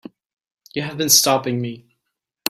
You have been stopping me.